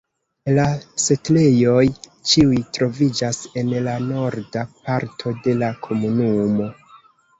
La setlejoj ĉiuj troviĝas en la norda parto de la komunumo.